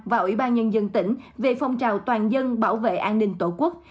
và ủy ban nhân dân tỉnh về phong trào toàn dân bảo vệ an ninh tổ quốc